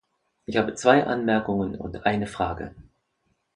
Ich habe zwei Anmerkungen und eine Frage.